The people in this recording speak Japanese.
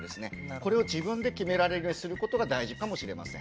これを自分で決められるようにすることが大事かもしれません。